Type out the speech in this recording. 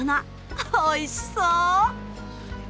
おいしそ！